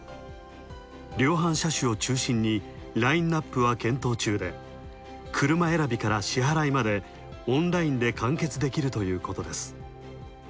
量販車種を中心にラインアップは検討中で車選びから支払いまで、オンラインで完結できるということです。